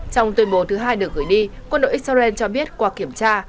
trong tuyên bố thứ hai được gửi đi quân đội israel cho biết qua kiểm tra